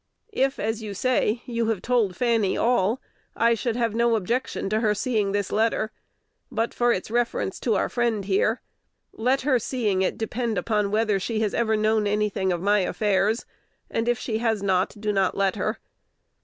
If, as you say, you have told Fanny all, I should have no objection to her seeing this letter, but for its reference to our friend here: let her seeing it depend upon whether she has ever known any thing of my affairs; and, if she has not, do not let her.